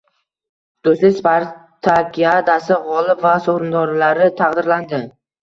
“Do‘stlik spartakiadasi” g‘olib va sovrindorlari taqdirlandi